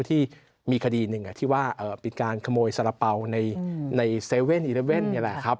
ที่มีคดีหนึ่งที่ว่าเป็นการขโมยสารเป๋าใน๗๑๑นี่แหละครับ